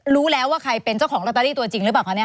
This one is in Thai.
รู้แล้วว่าใครเป็นเจ้าของลอตเตอรี่ตัวจริงหรือเปล่าคะเนี่ย